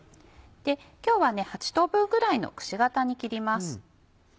今日は８等分ぐらいのくし形に切ります。